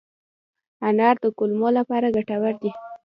انار د کولمو لپاره ګټور دی.